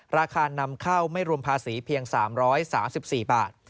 ราคานำเข้าไม่รวมภาษีเพียง๓๓๔บาท